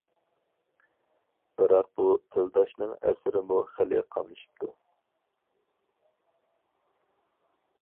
بىراق بۇ تىلداشنىڭ ئەسىرىمۇ خېلى قاملىشىپتۇ.